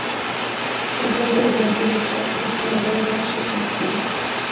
Enfrenta diferentes obstáculos, pero logra su cometido.